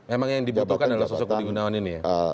emang yang dibutuhkan adalah sosok budi gunawan ini ya